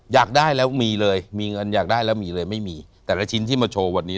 อยากได้แล้วมีเลยมีเงินอยากได้แล้วมีเลยไม่มีแต่ละชิ้นที่มาโชว์วันนี้